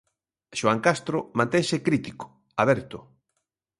Xoán Castro mantense crítico, aberto.